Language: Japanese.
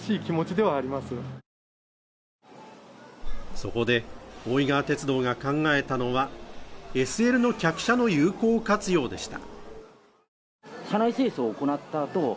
そこで大井川鉄道が考えたのはＳＬの客車の有効活用でした。